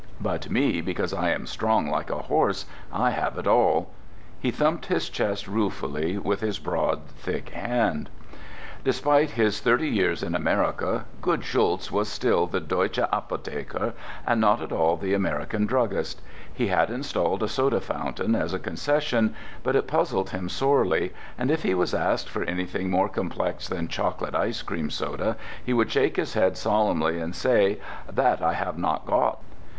But me, because I am strong like a horse, I have it all!" He thumped his chest ruefully with his broad, thick hand. Despite his thirty years in America, good Schulz was still the Deutsche Apotheker and not at all the American druggist. He had installed a soda fountain as a concession, but it puzzled him sorely, and if he was asked for anything more complex than chocolate ice cream soda he would shake his head solemnly and say: "That I have not got."